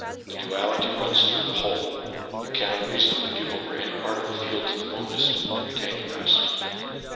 The duality, runs through the whole. You cannot reasonably give over any part of the field to the monist, and retain the rest.